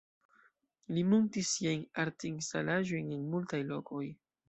Li muntis siajn art-instalaĵojn en multaj lokoj.